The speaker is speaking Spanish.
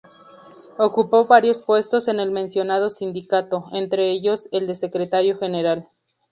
Ocupó varios puestos en el mencionado sindicato, entre ellos, el de Secretario General.